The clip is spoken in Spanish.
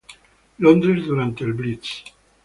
Londres, durante el Blitz.